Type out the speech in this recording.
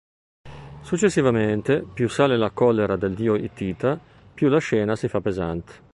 Successivamente, più sale la collera del dio Ittita, più la scena si fa pesante.